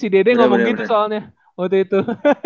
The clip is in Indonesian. si dede ngomong gitu soalnya waktu itu